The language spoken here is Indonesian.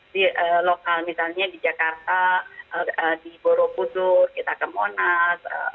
di lokal misalnya di jakarta di borobudur kita ke monas